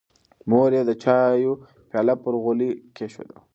مور یې د چایو پیاله پر غولي کېښوده.